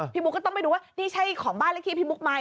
บุ๊คก็ต้องไปดูว่านี่ใช่ของบ้านเลขที่พี่บุ๊คไหม